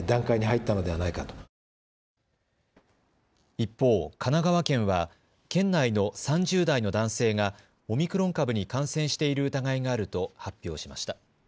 一方、神奈川県は県内の３０代の男性がオミクロン株に感染している疑いがあると発表しました。